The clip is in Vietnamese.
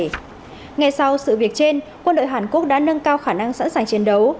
ngay sau sự việc trên quân đội hàn quốc đã nâng cao khả năng sẵn sàng chiến đấu